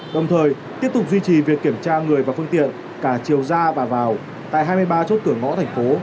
đồng thời tiếp tục duy trì việc kiểm tra người và phương tiện cả chiều ra và vào tại hai mươi ba chốt cửa ngõ thành phố